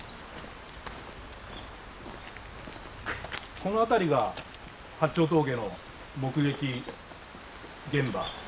この辺りが八丁峠の目撃現場ですか？